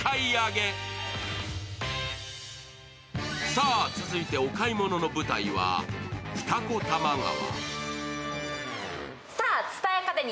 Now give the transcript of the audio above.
さあ、続いてお買い物の舞台は二子玉川。